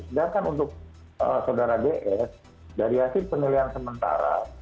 sedangkan untuk saudara ds dari hasil penilaian sementara